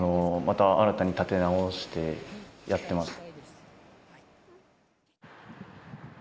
また新たに建て直してやってます。